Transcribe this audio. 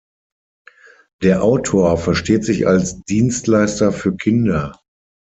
Der Autor versteht sich als Dienstleister für Kinder.